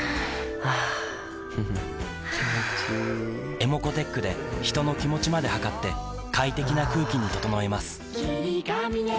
ｅｍｏｃｏーｔｅｃｈで人の気持ちまで測って快適な空気に整えます